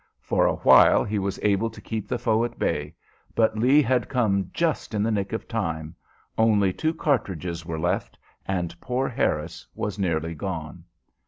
For a while he was able to keep the foe at bay, but Lee had come just in the nick of time; only two cartridges were left, and poor Harris was nearly gone.